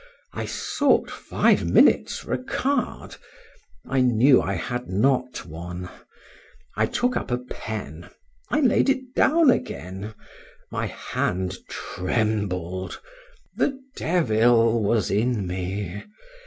—I sought five minutes for a card;—I knew I had not one.—I took up a pen.—I laid it down again;—my hand trembled:—the devil was in me.